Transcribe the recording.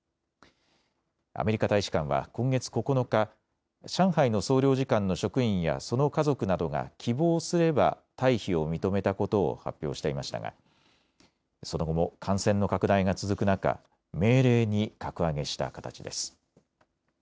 アメリカ大使館は今月９日、上海の総領事館の職員やその家族などが希望すれば退避を認めたことを発表していましたがその後も感染の拡大が続く中、命令に格上げした形です。